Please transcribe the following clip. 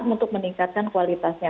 untuk meningkatkan kualitasnya